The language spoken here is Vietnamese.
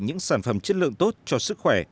những sản phẩm chất lượng tốt cho sức khỏe